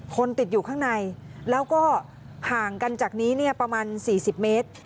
คนติดอยู่ข้างในแล้วก็ห่างกันจากนี้ประมาณ๔๐เมตร